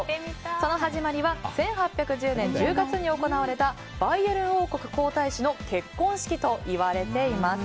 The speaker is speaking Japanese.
その始まりは１８１０年１０月に行われたバイエルン王国皇太子の結婚式といわれています。